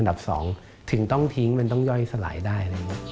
อันดับสองถึงต้องทิ้งมันต้องย่อยสลายได้